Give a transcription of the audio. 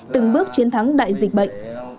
từng bước chiến thắng đại dịch bệnh